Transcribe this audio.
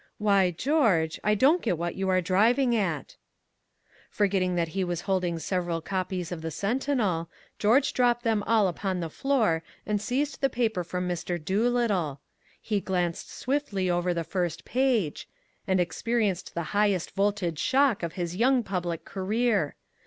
"Why, George. I don't just get what you're driving at." Forgetting that he was holding several copies of the Sentinel, George dropped them all upon the floor and seized the paper from Mr. Doolittle. He glanced swiftly over the first page and experienced the highest voltage shock of his young public career.